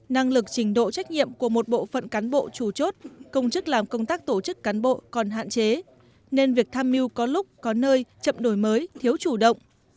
năng lực trình độ trách nhiệm của một bộ phận cán bộ chủ chốt công chức làm công tác tổ chức cán bộ còn hạn chế nên việc tham mưu có lúc có nơi chậm đổi mới thiếu chủ động